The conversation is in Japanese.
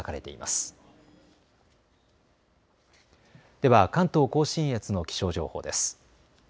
では関東甲信越の気象情報です。